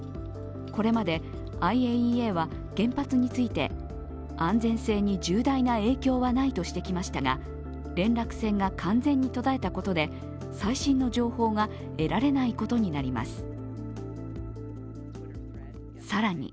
これまでＩＡＥＡは原発について安全性に重大な影響はないとしてきましたが連絡線が完全に途絶えたことで最新の情報が得られないことになります。